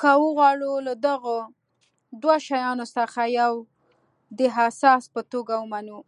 که وغواړو له دغو دوو شیانو څخه یو د اساس په توګه ومنو.